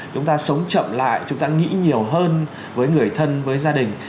chúng ta sống chậm lại chúng ta nghĩ nhiều hơn với người thân với gia đình